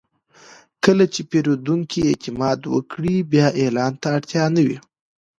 کله چې پیرودونکی اعتماد وکړي، بیا اعلان ته اړتیا نه وي.